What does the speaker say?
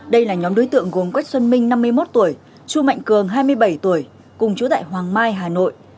đây là nhóm đối tượng gồm quách xuân minh năm mươi một tuổi chu mạnh cường hai mươi bảy tuổi cùng chú tại hoàng mai hà nội